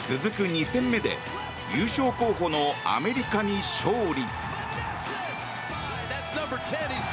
２戦目で優勝候補のアメリカに勝利。